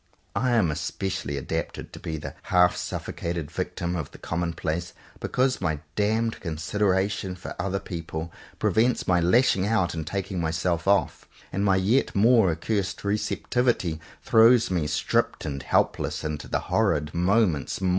I am especially adapted to be the half suffocated victim of the commonplace because my damned consideration for other people prevents my lashing out and taking myself off; and my yet more accursed re ceptivity throws me stripped and helpless into the horrid moment's maw.